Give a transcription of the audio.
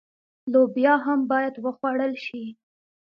لوبیا هم باید وخوړل شي.